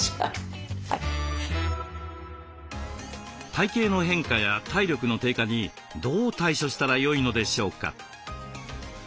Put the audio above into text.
体形の変化や体力の低下にどう対処したらよいのでしょうか？